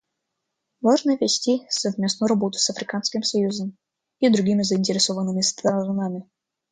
Важно вести совместную работу с Африканским союзом и другими заинтересованными сторонами.